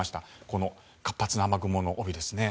この活発な雨雲の帯ですね。